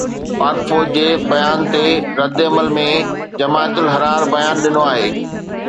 پاڪ فوج جي بيان تي ردعمل ۾ جماعت الحرار بيان ڏنو آهي